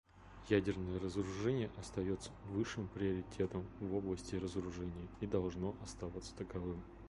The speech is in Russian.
Ядерное разоружение остается высшим приоритетом в области разоружения и должно оставаться таковым.